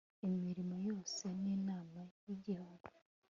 imirimo yose y inama y igihugu